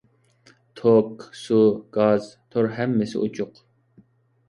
توك، سۇ، گاز، تور ھەممىسى ئوچۇق.